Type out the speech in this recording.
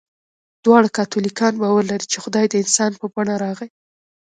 دواړه کاتولیکان باور لري، چې خدای د انسان په بڼه راغی.